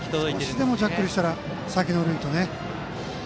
少しでもジャッグルしたら先の塁へとね。